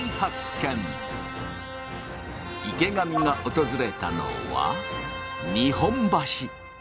池上が訪れたのは日本橋。